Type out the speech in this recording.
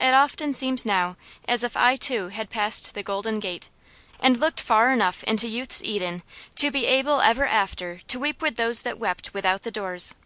It often seems now as if I too had passed the golden gate, and looked far enough into youth's Eden to be able ever after to weep with those that wept without the doors.